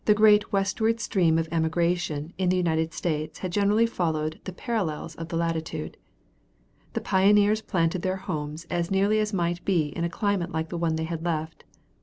The great westward stream of emigration in the United States had generally followed the parallels of latitude. The pioneers planted their new homes as nearly as might be in a climate like the one they had left.